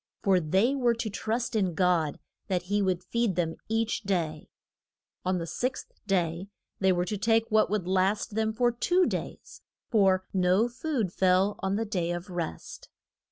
For they were to trust in God that he would feed them each day. On the sixth day they were to take what would last them for two days, for no food fell on the day of rest.